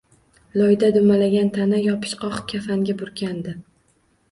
Loyda dumalagan tana yopishqoq kafanga burkandi